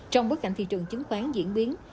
trong bức ảnh thị trường chứng khoán diễn biến